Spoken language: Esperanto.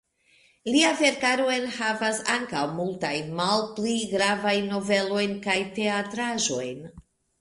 Lia verkaro enhavas ankaŭ multajn malpli gravajn novelojn kaj teatraĵojn.